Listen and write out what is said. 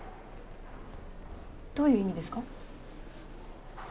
どういう意味ですか？